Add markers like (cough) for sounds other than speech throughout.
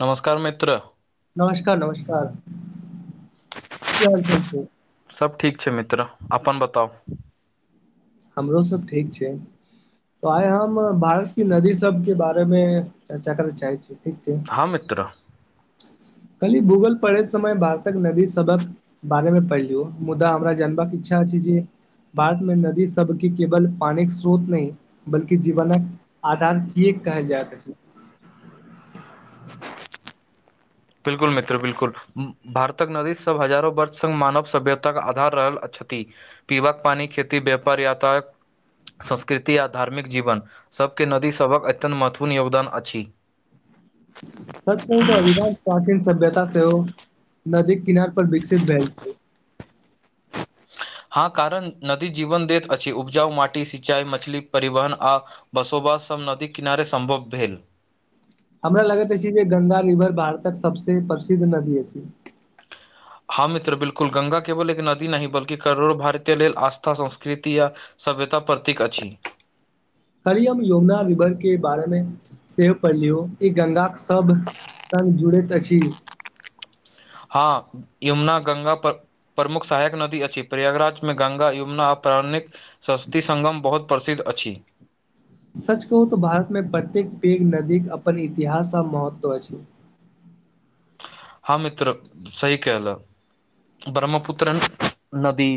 नमस्कार मित्र नमस्कार नमस्कार क हाल चाल छै सब ठीक छै मित्र अपन बताउ हमरो सब ठीक छै तो आइ हम भारत की नदी सब के बारे मे चर्चा करे चाहे छी ठीक छै हँ म मिित्र कली भूगल पढ़े समय भारतक नदी सबक बारेमे पहिलियो मुदा हमरा जानबाक इच्छा अछि जे भारत मे नदी सबके केवल पानिक के स्रोत न बल्कि जीवनक आधार किए कहल जाइत अछि बिलकुल मित्र बिलकुल भारतक नदी सब हजारो वर्ष स्ग मानव सभ्यताक आधार रहल अछि पीबाक पानी खेती व्यापार याताया संस्कृति आ धार्मिक जीवन सभके नदीसभक अत्यन्त महत्वपूर्ण योगदान अछि सच कहू त अधिकांश प्राचीन सभ्यता सेहो नदी किनार पर विकसित भेल छै हँ कारण नदी जीवनदैत अछि उपजाउ माटी सिंचाई मछली परिवहन आ बसोबास सब नदी किनारे संभव भेल हमरा लगैत अछि जे गंगा रिवर भारतक सबसे प्रसिद्ध नदी अछि हँ मित्र बिलकुल गंगा केवल एक नदी नहि बल्कि करोड़ो भारतीय लेल आस्था संस्कृति या सभ्यता प्रतीक अछि हरि हम यमुना रिवर के बारे मे सेहो पढ़लियो ई गंगा के सब स़ग जुड़ैत अछि हँ यमुना गंगा पर प्रमुख सहायक नदी अछि प्रयागराज में गंगा युना आ पाणिक सस्ती संगम बहुत प्रसिद्ध अछि सच कहू तऽ भारत मे प्रत्येक पेघ नदीक अपन इतिहास आ महत्व अछि हँ मित्र सही केहलो ब्रह्मपुत्रन नदी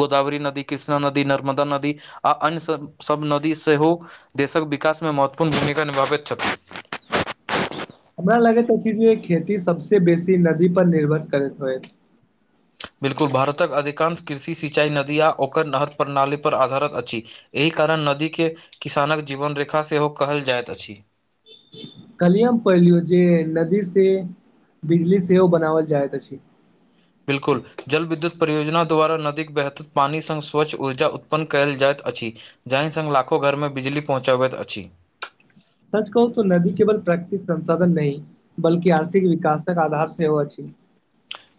गोदावरी नदी कृष्णा नदी नर्मदा नदी आ अन्य सभ सभ नदी सेहो देशक विकासमे महत्वपूर्ण भूमिका निभाबैत छथि हमरा लगैत अछि जे खेती सभसे बेसी नदी पर निर्भर करैत होय बिल्कुल भारतक अधिकांश कृषि सिंचाइ नदी आ ओकर नहर प्रणालीपर आधारित अछि एहि कारण नदी के किसानक जीवन रेखा सेहो कहल जैत अछि कल्ही मे पढ़ लियऔ जे नदी से बिजली सेहो बनावल जाइत अछि बिलकुल जल विद्युत परियोजना द्वारा नदीके बेहतर पानि स स्वच्छ ऊर्जा उत्पन्न कयल जाइत अछि जाहि संग लाखो घरमे बिजली पहुँचाबैत अछि सच कहू त नदी केवल प्राकृतिक संसाधन नहि बल्कि आर्थिक विकासक आधार सेहो अछि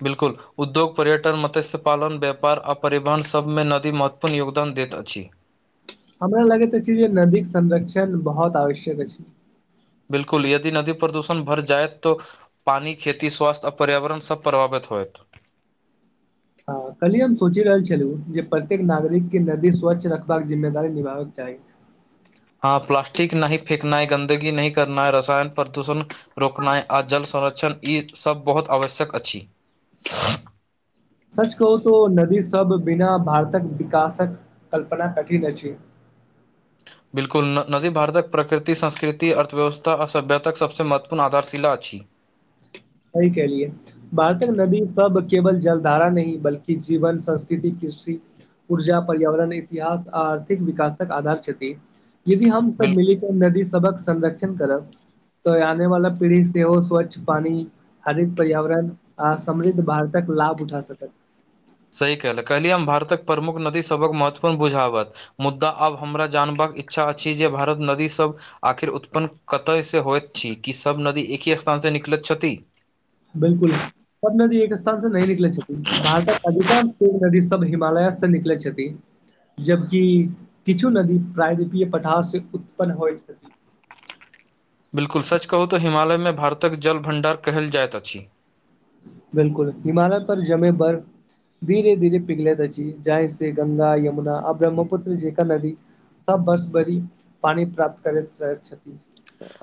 बिल्कुल उद्योग पर्यटन मत्स्य पालन व्यापार आ परिवहन सभमे नदी महत्वपूर्ण योगदान दैत अछि हमरा लगैत अछि जे नदीक के संरक्षण बहुत आवश्यक अछि बिलकुल यदि नदी प्रदूषण भर जाए तऽ पानि खेती स्वास्थ्य आ पर्यावरण सब प्रभावित होयत हँ कल्ही हम सोचि रहल छलहुँ जे प्रत्येक नागरिक के नदी स्वच्छ रखबाक जिम्मेदारी निभाबयके चाही हँ प्लासस्टिक नहि फेकनै गन्दगी नैकरनाै रसायन प्रदूषण रोकनाइ आ जल संरक्षण ईसभ बहुत आवश्यक अछि (inaudible) सच कहू त नदी सब बिना भारतक विकासक कल्पना कठिन अछि बिल्कुल नदी भारतक प्रकृति संस्कृति अर्थव्यवस्था आ सभ्यताक सभसँ महत्वपूर्ण आधारशिला अछि सही केहलीयै छतयए भारतक नदी सब केवल जल धारा नहि बल्कि जीवन संस्कृति कृषि ऊर्जा पर्यावरण इतिहास आ आर्थिक विकासक आधार छति यदि हम सब बिल मिलिक नदी सबक संरक्षण करब तऽ आने वाला पीढ़ी सेहो स्वच्छ पानी हरित पर्यावरण आ समृद्ध भारतक लाभ उठा सकत सही कहले कहली हम भारतक प्रमुख नदी सबक महत्वपूर्ण बुझावत मुद्दा आब हमरा जानबाक इच्छा अछि जे भारत नदीसभ आखिर उत्पन्न कतय से होइत छी कि सभ नदी एक ही स्थान से निकलैत छथि बिलकुल सब नदी एक स्थान से नहि निकलै छथिन भारतक अधिकांश नदी सब हिमालय से निकलै छथि जबकि किछु नदी प्रायदीपीय पठार से उत्पन्न होइत छथि बिल्कुल सच कहू तऽ हिमालयमे भारतक जल भण्डार कहल जाइत अछि बिलकुल हिमालय पर जमै बर्फ धीरे धीरे पिघलेत अछी जाहि सेे गंगा यमुना आ ब्रह्मपुत्र जेका नदी सब वर्ष भरि पानी प्राप्त करैत रहै छथि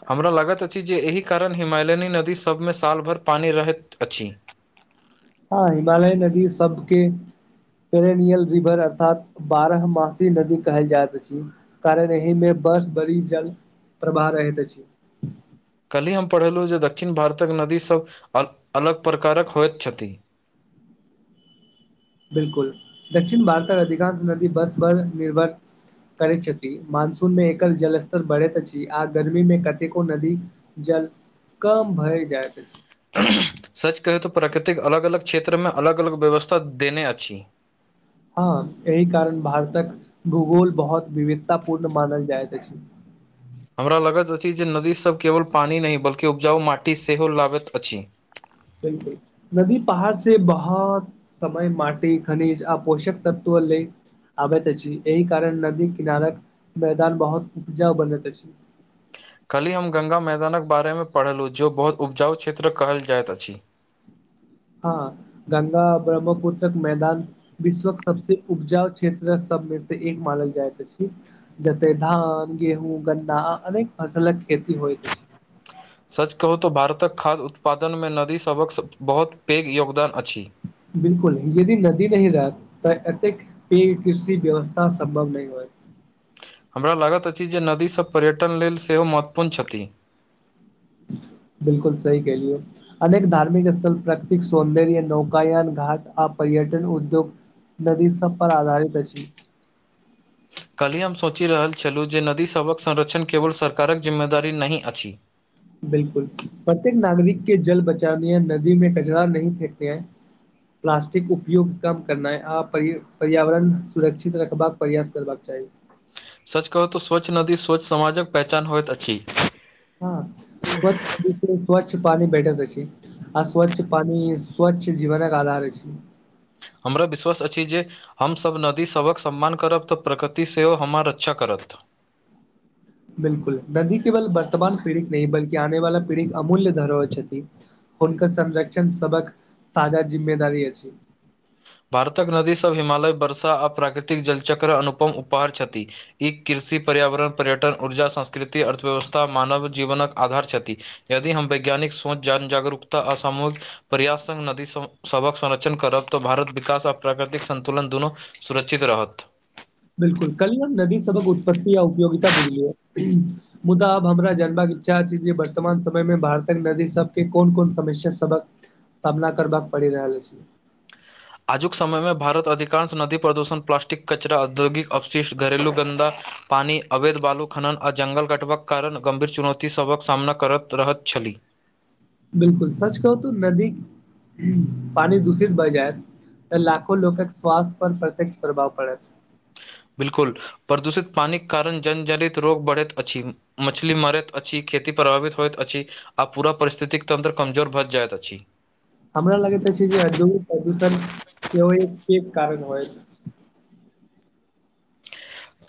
हमरा लागैत अछि जे एहि कारण हिमालयनी नदीसभमे सालभरि पानी रहैत अछि हँ हिमालय नदी सबके पेरेनियल रिवर अर्थात बारह मासी नदी कहल जाइत अछि कारण एहि मे बस बड़ी जल प्रभाह रहैत अछि कल्हि हम पढ़ेलहुँ जे दक्षिण भारतक नदी सब अ अलग प्रकारक होइत छथि बिलकुल दक्षिण भारतक अधिकांश नदी बर्ष पर निर्भर करै छथि मानसून मे एकल जल स्तर बढ़ैत अछि आ गर्मी मे कतेको नदी जल कम भरि जाय छथि सच कहू त प्रकृतिक अलग अलग क्षेत्रमे अलग अलग व्यवस्था देने अछि हँ एहि कारण भारतक भूगोल बहुत विविधता पूर्ण मानल जाइत अछि हमरा लागैत अछि जे नदीसभ केवल पानि नहि बल्कि उपजाउ माटी सेहो लागैत अछि बिलकुल नदी पहाड़ से बहोत समय मट खनिज आ पौषक तत्वो लैत आबैत अछि एहि कारण नदी किनारक मैदान बहुत उपजा बनैत अछि कल्हि हम गंगा मैदानक बारेमे पढ़लहुँ जे बहुत उपजाउ क्षेत्र कहल जाइत अछि हँ गंगा ब्रह्मपुरत्रक मैदान विश्वक सबसे उपजाउ क्षेत्र सबमे से एक मानल जाइत अछि जते धान गेहूँ गन्नाा आ अनेक फसलक खेती होइत अछि सच कहू तऽ भारतक खाद्य उत्पादनमे नदीसभक बहुत पैघ योगदान अछि बिलकुल यदि नदी नहि रहत तऽ एतेक फिर कसी व्यवस्था सम्भव नहि होइत हमरा लागैत अछि जे नदीसभ पर्यटन लेल सेहो महत्वपूर्ण छथि बिलकुल सही कहलियौ अनेक धार्मिक स्थल प्राकृतिक सौन्दर्य नौकायान घाट आ पर्यटन उद्योग नदी सब पर आधारित अछि काल्हि हम सोचि रहल छलहुँ जे नदीसभक संरक्षण केवल सरकारक जिम्मेदारी नहि अछि बिलकुल प्रत्येक नागरिक के जल बचावने य नदी में कचरा नहि फेकये प्लास्टिक उपयोग कम करनाइ आ पर्यावरण सुरक्षित रखबाक प्रयास करबाक चाही सच कहु तऽ स्वच्छ नदी स्वच्छ समाजक पहचान होइत अछि हँ स्वच्छ नदी से स्वच्छ पानी भेटत अछि आ स्वच्छ पानी स्वच्छ जीवनक आधार अछि हमरा विश्वास अछि जे हमसभ नदीसभक सम्मान करब तऽ प्रकृति सेहो हमर रक्षा करत बिल्कुल नदी केवल वर्तमान पीढ़ीक नहि बल्कि आने वाला पीढ़ीक अमूल्य धरोहर छथि हुनकर संरक्षण सबक साझा जिम्मेदारी अछि भारतक नदी सब हिमालय वर्षा आ प्राकृतिक जलचक्र अनुपम उपहार छथि ई कृषि पर्यावरण पर्यटन ऊर्जा संस्कृति अर्थव्यवस्था मानव जीवनक आधार छथि यदि हम वैज्ञानिक सोंच जनजागरूकता आ सामूहिक प्रयास संग नदी सं सभक संरक्षण करब तऽ भारत विकास आ प्राकृतिक संतुलन दुनू सुरक्षित रहत बिलकुल कल्ही हम नदी सभक उत्पत्ति आ उपयोगिता बुझलियै मुदा आब हमरा जनबाक इच्छा अछि जे वर्तमान समय मे भारतक नदी सबके कोन कोन समस्या सभक सामना करबाक पड़ि रहल अछि आजुक समय मे भारत अधिकांश नदी प्रदूषण प्लास्टिक कचरा औद्योगिक अवशिष्ट घरेलू गन्दा पानी, अवैध बालू खन्ना आ जंगल कटबाक कारण गम्भीर चुनौती सभक सामना करत रहत छै बिल्कुल सच कहू त नदीक पानी दूषित भए जाइत लाखो लोकक स्वास्थ्य पर प्रत्यक्ष प्रभाव पड़त। बिल्कुल प्रदूषित पानिक कारण जन जनित रोग बढ़ैत अछि मछली मरैत अछि खेती प्रभावित होइत अछि आ पूरा परिस्थितिक तन्त्र कमजोर भऽ जायत अछि हमरा लगेत अछि जे औद्योगिक प्रदूषण सेहो एक एक कारण होयत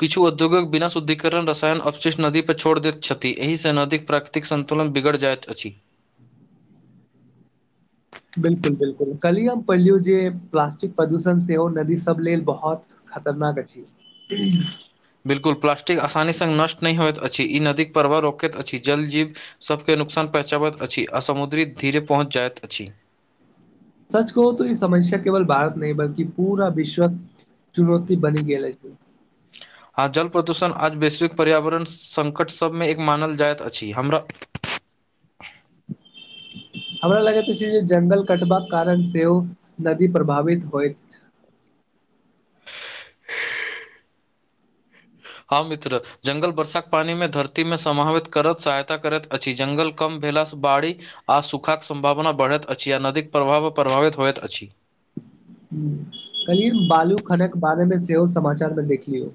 किछु उद्योगिक बिना शुद्धिकरण रसायन अवशिष्ट नदी पर छोड़ दैत छथि एहिसँ नदीक प्राक तिक संतुलन बिगड़ जाइत अछि बिलकुल बिलकुल, कल्हि हम पढलियो जे प्लास्टिक प्रदूषण सेहो नदी सब लेल बहुत खतरनाक अछि बिल्कुल, प्लास्टिक आसानी सँ नष्ट नहि होइत अछि। ई नदीक प्रवाह रोकैत अछि। जल जीव सबके नुकसान पहचाबैत अछि आ समुद्री धीरे पहुँच जाइत अछि सच कहुँ तो ई समस्या केवल भारत नहि बल्कि पूरा विश्वक चुनौती बनी गेल अछि आब जल प्रदूषण आज वैश्विक पर्यावरण संकट सभमे एक मानल जाइत अछि हमरा हमरा लगैत अछि जे जंगल कटबाक कारण सेहो नदी प्रभावित होयत हँ मित्र जंगल वर्षाक पानी मे धरती मे समावित करत सहायता करैत अछि। जंगल कम भेलास बाढ आ सुखाक सम्भावना बढ़ैत अछि आ नदीके प्रवाहो प्रभावित होयत अछि कल्हि हम बालू खनक बारे मे सेहो समाचार मे देखलि।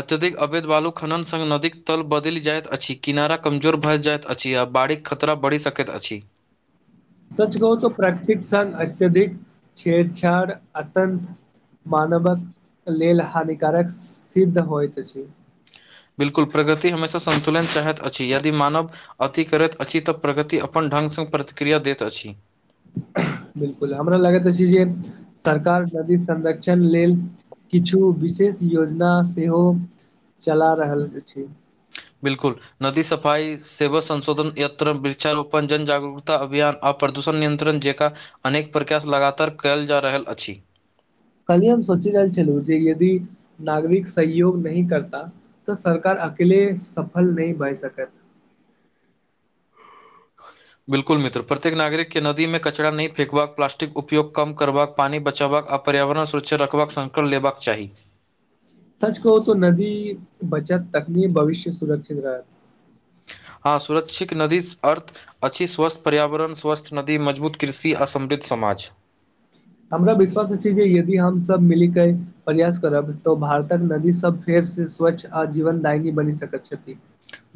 अत्यधिक अवैध बालु खन्ना संग नदीक तल बदलि जाइत अछि किनारा कमजोर भए जाइत अछि आ बाढ़िक खतरा बढ़ि सकैत अछि सच कहूँ तो प्राकृतिक संग अत्यधिक छेड़छाड़ अत्यंत मानवक लेल हानिकारक सिद्ध होइत अछि बिल्कुल प्रगति हमेशा सन्तुलन चाहैत अछि यदि मानव अति करैत अछि तऽ प्रगति अपन ढंगसँ प्रतिक्रिया दैत अछि बिलकुल हमरा लगैत अछि जे सरकार नदी संरक्षण लेल किछु विशेष योजना सेहो चला रहल अछि बिलकुल नदी सफाई सेवा संशोधन यत्र वृक्षारोपन जनजगरूकता अभियान आ प्रदूषण नियन्त्रण जकाँ अनेक प्रकास लगातार कयल जा रहल अछि कलि हम सोचि रहल छलहुँ जे यदि नागरिक सहयोग नहि करता तऽ सरकार अकेले सफल नहि भए सकता (inaudible) बिल्कुल मित्र प्रत्येक नागरिक के नदी मे कचड़ा नहि फेकबाक, प्लास्टिक उपयोग कम करबाक, पानी बचबाक आ पर्यावरण सुरक्षा रखबाक संकल्प लेबाक चाही। सच कहू तो नदी बचत तखनीये भविष्य सुरक्षित रहत हँ सुरक्षित नदीसँ अर्थ अछि स्वस्थ्य पर्यावरण स्वस्थ नदी मजबूत कृषि आ समृद्ध समाज ' हमरा विश्वास अछि जे यदि हम सब मिली के प्रयास करब तऽ भारतक नदी सब फेर से स्वच्छ आ जीवनदायनी बैन सकत छथि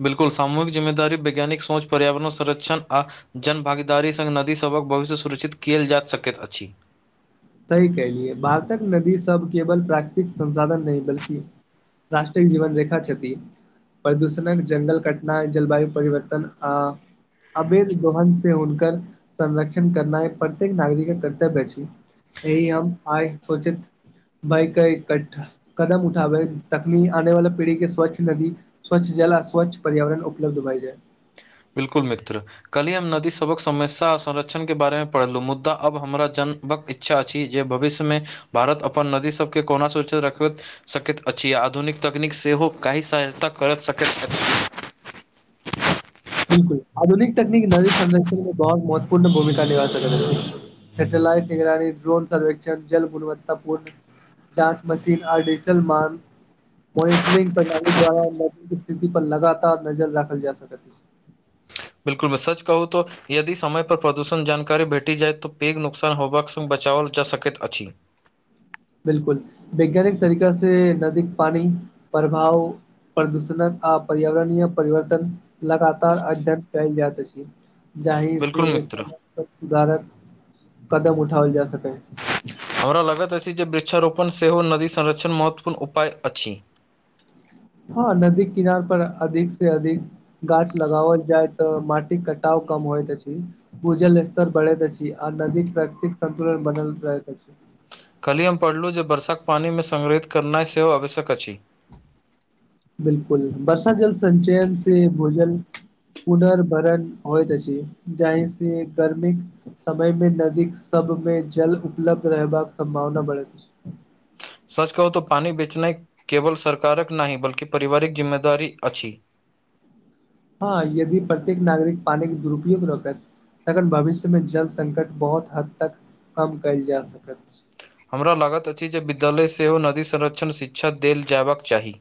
बिल्कुल सामूहिक जिम्मेदारी वैज्ञानिक सोच पर्यावरण संरक्षण आ जन भागीदारी संग नदीसभक भविष्य सुरक्षित कियेल जाइत सकैत अछि सही कलियै भारतक नदी सब केवल प्राकृतिक संसाधन नहि बल्कि राष्ट्रिक जीवन रेखा छथि प्रदूषणक जंगल कटनाइ जलवायु परिवर्तन आ अवैध गोहन से हुनकर संरक्षण करनाइ प्रत्येक नागरिकक कर्तव्य अछि यही हम आइ सोचैत भयके कठ कदम उठाबै तखनी आने वाला पीढ़ी केँ स्वच्छ नदी स्वच्छ जल आ स्वच्छ पर्यावरण उपलब्ध भाय जय बिल्कुल मित्र कल्हि हम नदी सभक समस्या संरक्षण केँ बारेमे पढ़लहुँ मुद्दा अब हमरा जनबक इच् छा अछि जे भविष्यमे भारत अपन नदी सबके कोना सुरक्षित रखैत सकैत अछि आ आधुनिक तकनीक सेहो कैय सहायता करत सकैत अछि बिलकुल आधुनिक तकनीक नदी संरक्षण मे बहुत महत्वपूर्ण भूमिका निभा सकैत अछि सैटेेलइट निगरानी ड्रोन सर्वेक्षण जल गुणवत्तापूर्ण जाँच मशीन आओर डिजिटल मान मॉनिटरिंग प्रणाली द्वारा स्थिति पर लगातार नजर राखल जा सकैत अछि बिलकुल मित्र सच कहू तो यदि समय पर प्रदूषण जानकारी भेटी जाय तऽ पेघ नुकसान होबाक संग बचाओल जा सकैत अछि बिलकुल वैज्ञानिक तरीका से नदी पानी प्रभाव प्रदूषणक आ पर्यावरणीय परिवर्तन लगातार अध्ययन कैल जाइत अछि जाहि बिल्कुल से मित्र समय केँ सुधारक कदम उठाओल जा सकै हमरा लगैत अछि जे वृक्षारोपण सेहो नदी संरक्षण महत्वपूर्ण उपाय अछि हँ नदीक किनार पर अधिक सँ अधिक गाछ लगाओल जाइ तऽ मटीक कटाव कम होइत अछि भूजल स्तर बढ़ैत छै आ नदी प्रकृतिक संन्तुलन बनल रहैत अछि कल्हि हम पढ़लहुँ जे बरसाक पानिमे संग्रहित करनाइ सेहो आवश्यक अछि बिलकुल बर्षा जल संचयन से भूजल पुनर भरण होइत अछि जाहि से गर्मीक समय मे नदीक सब मे जल उपलब्ध रहबाक सम्भावना बढ़ैत अछि सच कहू तो पानि बेचनाइ केवल सरकारक नहि बल्कि पिवारिक जिम्मेदारी अछि हँ यदि प्रत्येक नागरिक पानि कऽ दुरुपयोग रखत तखन भविष्यमे जल संकट बहुत हद तक कम कएल जा सकैत अछि हमरा लागत अछि जे विद्यालय सेहो नदी संरक्षण शिक्षा देल जयबाक चाही